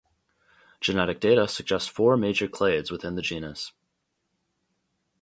Genetic data suggest four major clades within the genus.